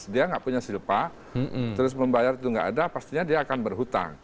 dia nggak punya silpa terus membayar itu nggak ada pastinya dia akan berhutang